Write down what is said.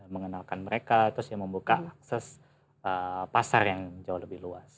mengenalkan mereka terus ya membuka akses pasar yang jauh lebih luas